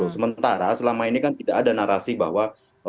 sementara selama ini kan tidak ada narasi bahwa